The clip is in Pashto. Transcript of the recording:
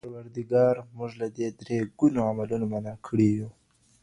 پروردګار مونږ له دې درې ګونو عملونو منع کړي يو.